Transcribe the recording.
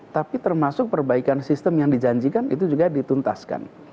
tapi termasuk perbaikan sistem yang dijanjikan itu juga dituntaskan